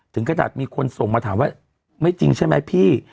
กระดาษมีคนส่งมาถามว่าไม่จริงใช่ไหมพี่